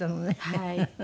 はい。